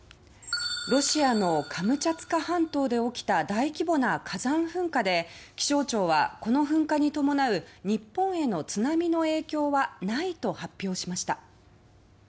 ロシアのカムチャツカ半島で起きた、大規模な火山噴火で気象庁は、この噴火に伴う日本への津波の影響はないと発表しました。